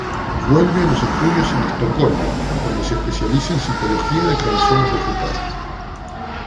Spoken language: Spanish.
Vuelve a los estudios en Estocolmo, donde se especializa en citología de cromosomas vegetales.